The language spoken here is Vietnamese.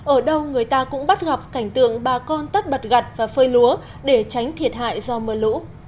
ở đâu người ta cũng bắt gặp cảnh tượng bà con tất bật gặt và phơi lúa để tránh thiệt hại do mưa lũ